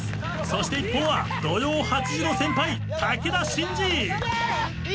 そして一方は土曜８時の先輩武田真治。